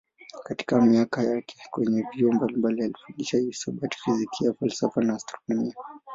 Katika miaka yake kwenye vyuo mbalimbali alifundisha hisabati, fizikia, falsafa na astronomia.